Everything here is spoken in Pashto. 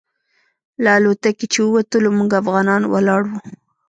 له الوتکې چې ووتلو موږ افغانان ولاړ وو.